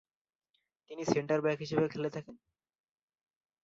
তিনি "সেন্টার-ব্যাক" হিসেবে খেলে থাকেন।